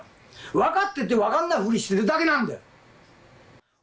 分かってて分かんないふりしてるだけなんだよ。